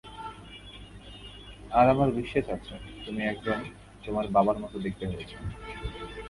আর আমার বিশ্বাস আছে তুমি একদম তোমার বাবার মতো দেখতে হয়েছ।